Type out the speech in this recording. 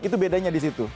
itu bedanya di situ